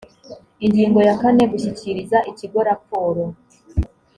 ingingo ya kane gushyikiriza ikigo raporo